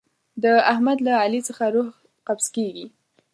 د احمد له علي څخه روح قبض کېږي.